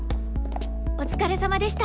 お疲れさまでした。